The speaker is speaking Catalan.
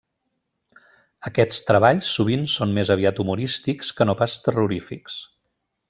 Aquests treballs sovint són més aviat humorístics que no pas terrorífics.